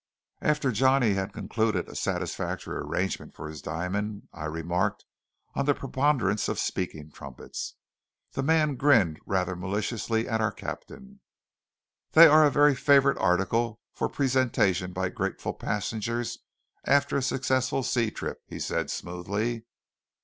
After Johnny had concluded a satisfactory arrangement for his diamond, I remarked on the preponderance of speaking trumpets. The man grinned rather maliciously at our captain. "They are a very favourite article for presentation by grateful passengers after a successful sea trip," he said smoothly.